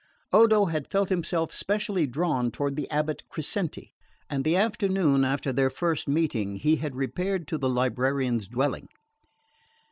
Odo had felt himself specially drawn toward the abate Crescenti; and the afternoon after their first meeting he had repaired to the librarian's dwelling.